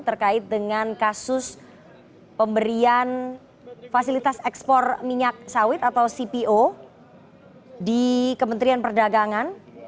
terkait dengan kasus pemberian fasilitas ekspor minyak sawit atau cpo di kementerian perdagangan